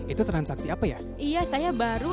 itu transaksi apa ya